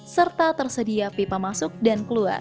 serta tersedia pipa masuk dan keluar